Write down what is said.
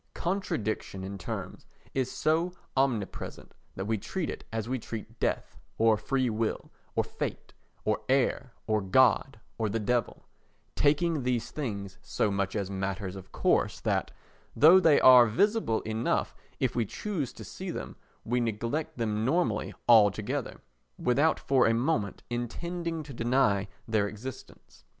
Contradiction in terms is so omnipresent that we treat it as we treat death, or free will, or fate, or air, or God, or the Devil—taking these things so much as matters of course that, though they are visible enough if we choose to see them, we neglect them normally altogether, without for a moment intending to deny their existence.